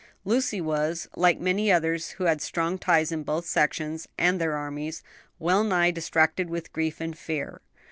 Lucy was, like many others who had strong ties in both sections and their armies, well nigh distracted with grief and fear.